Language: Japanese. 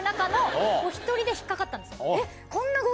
で引っ掛かったんです。